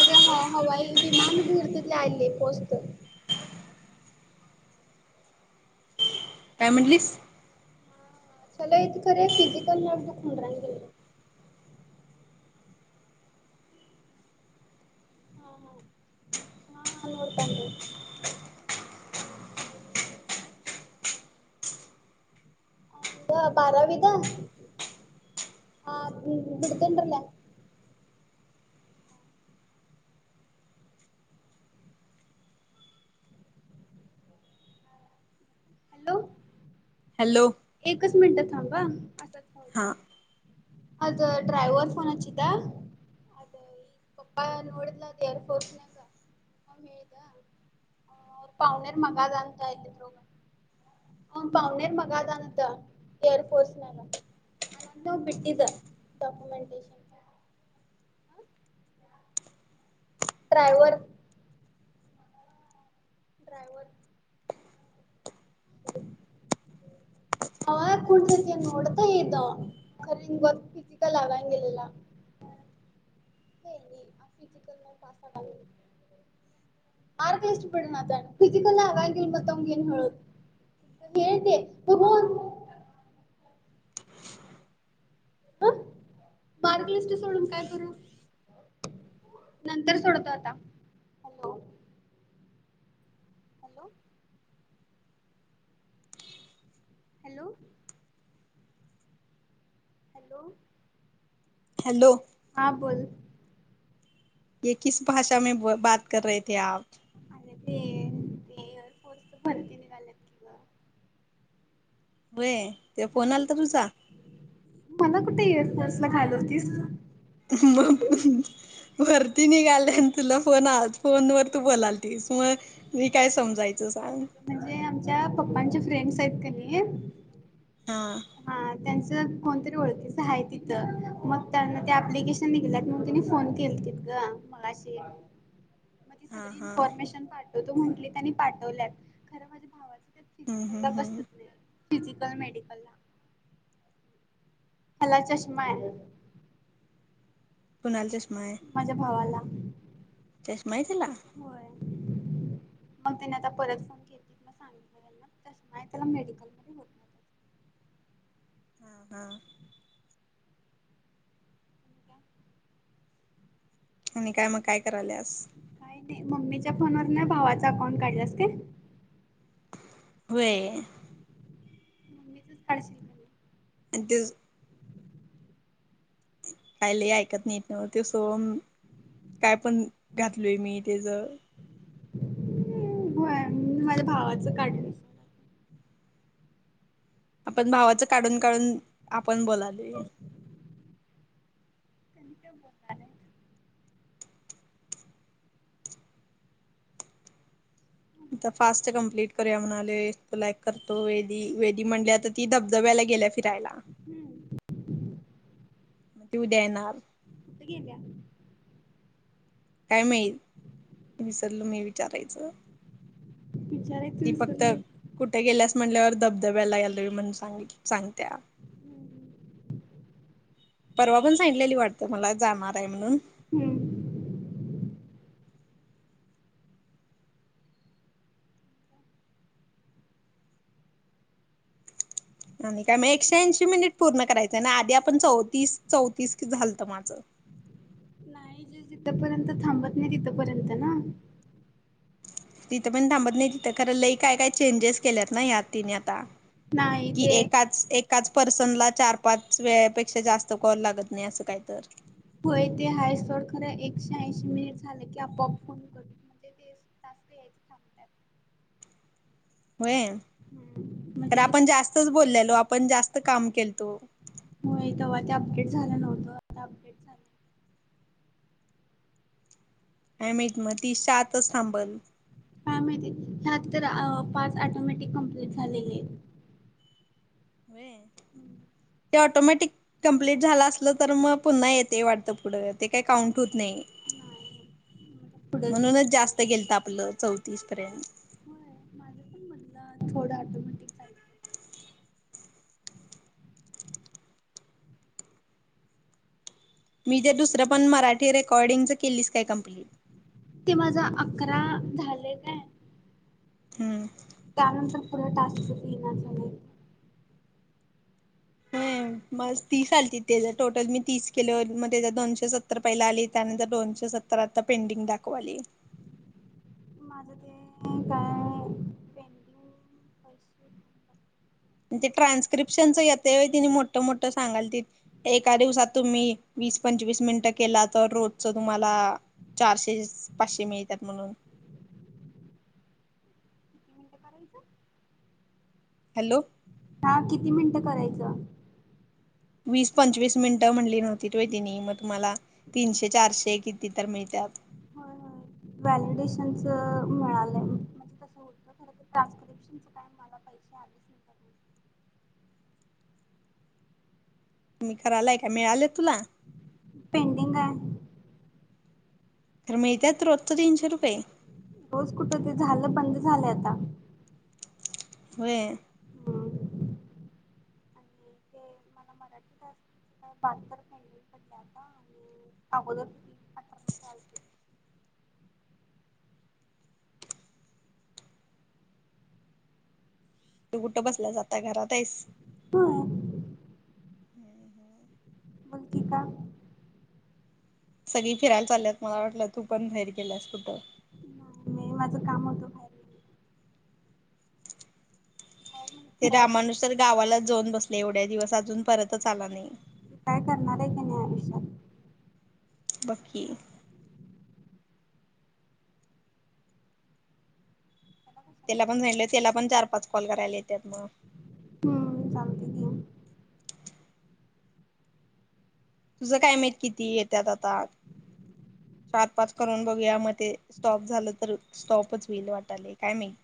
आता ह हवाई विमान घर तथले आले पोहचत काय म्हटलीस चला इथ खरे फिजिकल म द खुम रान गेलं हा हा हा नोडतानी पारावीता ह विडतीडले हॅलो हॅलो एकच मिनिटं थांबा असंच थां हां अज ड्रायववर फोनचित पप नोडलात एअरफोर्स न कात पाहणेर मगा जा काय प्रो अ पावणेर मगा जा एअर फोर्स नग आनंत बटद डॉक्युमेंटेशन ्राय्हर ड्रायवर [inaudible] ह कुठततीय नोडत येतव खर बघ फिती का लागग गेलेला आप चिकन म पास्ता [inaudible] मारक इश पड नाताण फिजिकल आगल मतवंगग न हत खते पूर् ह बार्क लिस्ट सोडून काय करू नंतर सोडतो आता hello hello hello hello hello हां बोल ये किस भाषा मे बाात कर रे े आप अ ते ते एअरफोर्स परते निघालात की ग होय ते फोन हा आला तर तुझा मला कुठे एअरफोर्न्स ला घालवतीस [inaudible] वरती निघाली आणि तुला फोन आ फोन वर तू बोलाल तीस मग मी काय समजायचं सग म्हणजे आमच्या पप्पांच्या फ्रेंड्स आहेत काली हा त्यां कोणतरी ओखीचं आहे तिथ मग त्यां अप्लिकेशन निघ फोन के गं मलाशी [inaudible] मग ती सगळी हा इन्फॉर्मेशन पाठवतो म्हंटली त्यांनी पाठवल्यात खरं माझ्या भावाच हम्म फिजिकल ला हम्म हम्म बसत नाही फिजिकल मेडिकल ला हला चष्मा आहे कणाल चषमा आहे माझ्या भावाला चषमहीला होय मग त्याने आता परत फोन घेतली म सांग माहिला मेडिकल हा हा नाही. आणि काय मग काय कराल्यास का ते मम्मीच्या फोनवर नाही भावाचा अकाउंट काढलास का व्हाय मम्मीच काढशील नाही दि काय ल ऐकत नाहीट न्ह ते सोम काय पण घातलोय मी इथे ज ह होय माझ्या भावाचं काढलं त्यांनी आपण भावाचं काढून काढून आपण बोलाल त्यांनी बोलणार आता फास्ट कंप्लीट करूया म्हणाले तुला करतो वे वेदी म्हंल्या आ ती धबधबा याला गेल्या फिरायला हम्म मग उद्या येणार कुठं गेल्या काय माही विसरल मी विचारायचं विचारायचं ती फक्त विसरली. कुठे गेल्यास म्हटल्यावर धबधब्याला याल म्हणूनांग सांगत्या हम्म परवा पण सांगितलेली वाटतं मला जाणार आहे म्हणून हम्म आणि काय मग एकशे ऐंशी मिनिट पूर्ण करायचंय आणि आधी आपण चौतीस चौतीस झालत माझं का जे जिथपर्यंत थांबत नाही तिथपर्यंत ना तिथं पण थांबत नाही तिथं खरं लई काय काय चेंजेस केल्यात ना यात तिने आता नाही की ते एकाच एक काच पर्सनला चार पाच वेळेपेक्षा जास्त कॉल लागत नाही असं काही तर होय ते हायसोड खरं एकशे ऐंशी मिनिट झाले की आपआप फोन कर टास्क यायच थांबतात हो तर म्हणजे जे आपण जास्तच बोललेलो आपण जास्त काम केलतो हो य तेव्हा ते अपडेट झालं नव्हतं आ अपडेट झाले काय माहीत मग तीस आातच थांबल हा माहिती ह्यात तर पाच ऑटोमॅटिक कमप्लीट झालेले आहेत व्हाय हम्म ते ऑटोमॅटिक कम्प्लीट झालं असलं तर मग पुन्हा येते वाटतं पुढं ते काही काउंट होत नाही नाही पुढंच गेल आपलं चौतीस पर्यंत होय माझं पण म्हणलं थोडं ऑटोमॅटिक चालत मी जर दुसरं पण मराठी रेकॉर्डिंगचं केलीच काय कम्प्लीट ते माझा अकरा झाले काय हम्म त्यानंतर पुढे टास्कच येणार झाले हम्म बस तीस आलती त्याच टोटल मी तीस केल मग त्या दोनशे सत्तर पहिला आली त्यानंतर दोनशे सत्तर तर आता पेंटिंग दाखवाली माझ ते काय पेंटिंग ह अस ते ट्रान्स्क्रिप्शनच येते तिने मोठं मोठं सांगाल त एका दिवसात तुम्ही वीस पंचवीस मिनिटं केला तर रोजच तुम्हाला- चारशे पाचशे मिळतात म्हणून. किती मिनिटं करायचं हॅलो. हा. किती मिनिटं करायचं? वीस पंचवीस मिनिटं म्हणली नव्हतीत होय तिनी? मग तुम्हाला तीनशे चारशे किती- ती तर मिळत्यात. हो. व्हॅलिडेशनच मिळालंय म्हणजे कस - खर ट्रान्स्क्रिप्शनच काय मला पैसे आले नाही. त्यातून तुमी करायलाय का? मिळाले तुला? पेंडिंग आहे. तर मिळतात रोजचे तीनशे रुपये? रोज कुठ? ते झालं बंद झालंय आता. व्हय. हम्म आणि ते मला मराठीत वाचता, बात करता नाही [unintelligible] आता आणि अगोदर- अठरा रुपये आलते तू कुठ बसलास आता? घरात आहेस? हो. हम्म हम्. मुलगी का? सगळी फिरायला चाललेत. मला वाटलं तू पण [unintelligible] केेलस कुठं? मी माझं काम होतं. गेले. बाहेर म्हणजे ते फिराय रामानुज तर गावालाच जाऊन बसला एवढ्या दिवस. अजून परतच आला नाही. काय करणार आहे की नाही आयुष्यात? नक्की. कशाला त्याला पण म्हटलं. काय. त्याला पण चार पाच कॉल करायला येतात मग. हम्म. चालत कि. तुझं काय माहीत किती येत्यात आता. चार पाच करून बघूया. म ते स्टॉप झाले तर, स्टॉपच होईल वाटायलय. काय माहीत.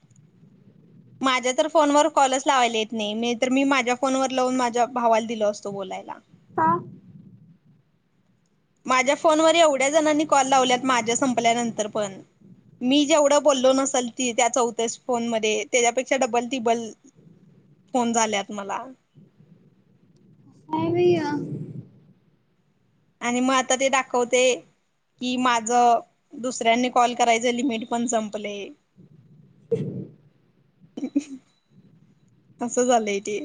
माझ्या तर फोनवर कॉलच लावायला येत नाही. नाही तर मी माझ्या फोनवर लावून माझ्या भावाला दिल असत बोलायला. का? माझ्या फोनवर एवढ्या जणांनी कॉल लावल्यात. माझ्या संपल्यानंतर पण. मी जेवढं बोललो नसेल त त्या चौथ्यास फोन मध्ये. त्याच्यापेक्षा डबल तिब्बल- फोन झाल्यात मला. काय भैया? आणि मग आता ते दाखवते. कि माझ दुसऱ्यांनी कॉल करायचं लिमिट पण संपलय. अस झालय ते.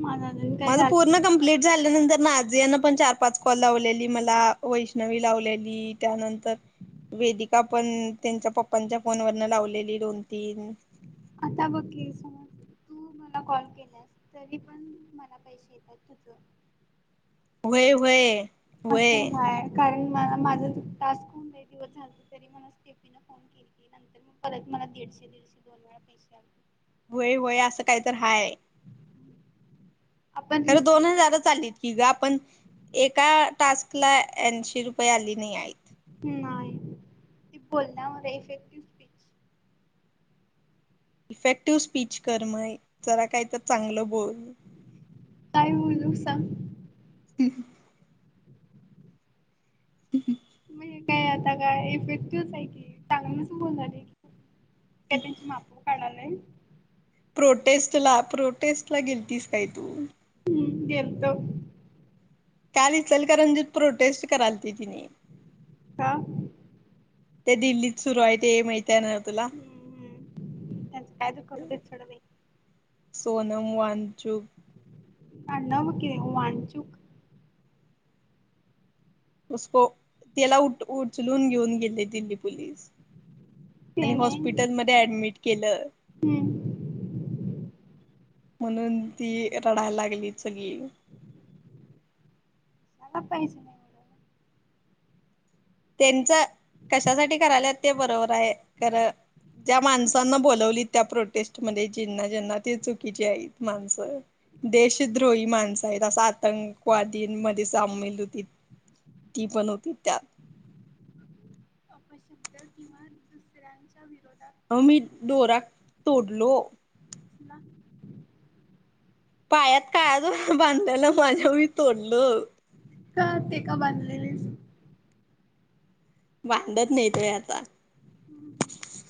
[unintelligible] माझ झालं पूर्ण नाही कम - प्लिट झाल्यानंतर. माझ्या ह्यान पण चार पाच कॉल लावलेली मला. वैष्णवी लावलेली त्यानंतर- वेदिका पण त्यांच्या पप्पांच्या फोन वरन लावलेली दोन तीन. आता बघ की, समज तू मला कॉल केलास तरी पण मलाहि- [unintelligible] येतात तुझं. व्हय व्हय. असं व्हय नाय. कारण मला माझ टास्क [unintelligible] फोन केलीती. नंतर मग परत मला दीडशे दीडशे दोन वेळा पैसे आले. व्हय व्हय. असं काही तर हाय. आपण खरं दोन रिसिव हजार चाल [unintelligible] हिला पण एका टास्क ला ऐशी रुपये आली नाही आहेत. नाही. ते बोलण्या मधे इफेक्टिव्ह- स्पीच इफेक्टिव स्पीच कर मय जरा काही तर चांगलं बोल काय बोलू सांग क ह म्हणजे काय आता काय इफेक्टिव आहे की चांग मसं बोल झालेी का त्यांचे मापू काढालाय प्रोटेस्ट ला प्रोटेस्ट ला गेलतीस काय तू हम्म गेलतो काय दिसलेल का रंजीत प्रोटेस्ट कराल त तिने कत्ता ते दिल्लीत सुरू आहेत हे मैता्याना हम् हम् त्यांचं कायज करू दे थोडं नाही सोनम वाांचू अ न म किर हो वाचुक कसको त्याला उठ उचलून घेऊन गेले दि लिप स ते आणि नाही हॉस्पिटल मध्ये ऍडमिट केलं हम्म म्हणून ती रडायला लागली सगळी चला पैसे नाही मिळाले. त्यांच कशासाठी करायला ते बरोबर आहे खरं त्या्या माणसांना बोलावली त्या प्रोटेस्ट मध्ये ज्यांना ज्यांना ते चुकीचे आहेत माणसं देशद्रोही माणसं आहेत असा आतंकवादीमध्ये सामील होती ती पण होती त्यात शब्द किंवा दुसऱ्यांच्या विरोधात ह मी डोरा तोडलो ना पायात कायज बांधायला माझ्या मी तोडलं का ते का बांधलेले बांडत नाहीतय आता हम्म हम्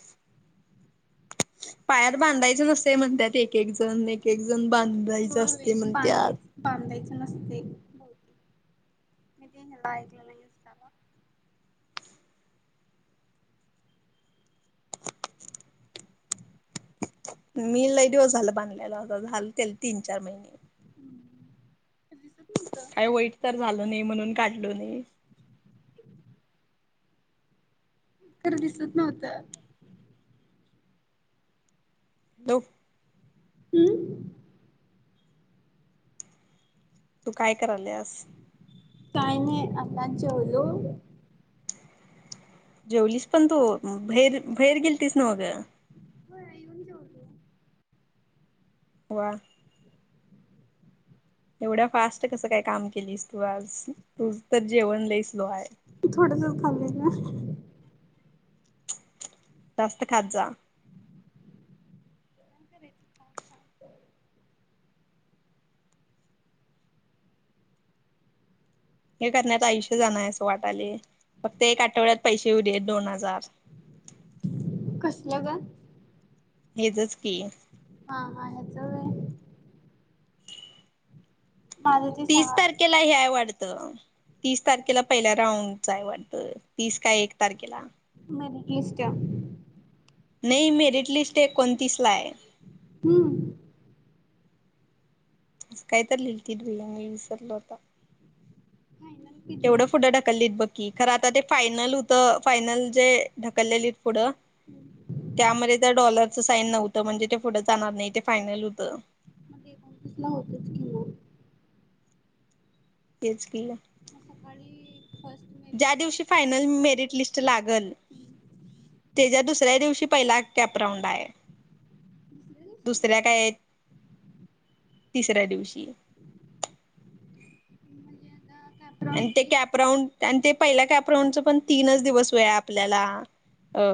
पायात बांधायचं नसते म्हणत्यात एक एक जण एक एक जण बांधायचं असते होय म्हणत्यात. बांधायच नसते. असता मी ल दिवस झालं बांधल्याला अस झालंल ते तीन चार महिने हम्स काय वाईट तर झालं नाही म्हणून काढल नाही खर दिसत नव्हत हॅलो. हुं. तू काय कराल्यास. काय नाही आताच जेवलो. जेवलीस पण तू बहेर बहेर गेलतीस नव्ह ग. होय येऊन जेवली. वा. एवढ्या फास्ट कसं काय काम केलीस तू आज तूज तर जेवण लई स्लो हाय. थोडंसच खाल्ले ना. जास्त खात जा. काय करायचं खाऊन खाऊन. हे करण्यात आयुष्य जानार आहे असं वाटाले फक्त एक आठवड्यात पैसे येऊ दे दोन हजार. कसल्या ग. येचच की. हा हा ह्याच वय. माझं ते तीस सांगा तारखेला हे आहे वाडत. तीस तारखेला पहिला राऊंडच आहे वाटतं तीस का एक तारखेला. मेरिटलिस्टच्या. नाही मेरिट लिस्ट एकोणतीस ला आहे. हुं. कायतर लिहिती तुला इसरलो आता. फायनल किती केवढं आहे फुढं ढकलीत बघकी खर आता ते फायनल होत त फायनल जे ढकललेली पुढं त्यामध्ये त्या डॉलरच साईन नव्ह त म्हणजे ते पुढं जाणार नाही ते फायनल होतं. मग ते ऑफिस ला होतच की ओ. तेच केलं. मग सकाळी फर्स्ट मेरिट ज्या दिवशी फायनल मेरिट लिस्ट लागल तेच्या दुसऱ्या दिवशी पहिला कॅप राऊंड आहे. दुसऱ्या दिवशी दुसऱ्या काय तिसऱ्या दिवशी. म्हणजे आता काय पण आणि ते एक कॅपराऊंड आणि ते पहिल्या कॅपराऊंडच पण तीनच दिवस वेळ आहे आपल्याला. अ